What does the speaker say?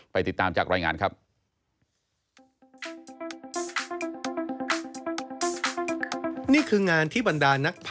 ติดตามจากรายงานครับ